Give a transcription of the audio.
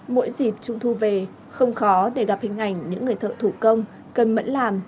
mỗi dịp trung thu về không khó để gặp hình ảnh những người thợ thủ công cần mẫn làm